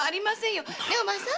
ねえお前さん。